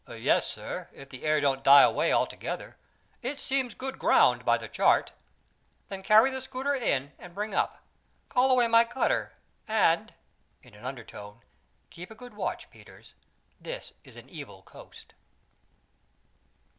"Yes, sir, if the air don't die away altogether. It seems good ground by the chart." "Then carry the schooner in and bring up. Call away my cutter, and" in an undertone "keep a good watch, Peters, this is an evil coast."